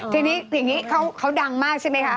ทีนี้เขาดังมากใช่ไหมคะ